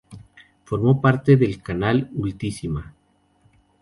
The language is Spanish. Formó parte del canal Utilísima.